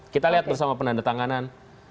kita lihat bersama penanda tanganan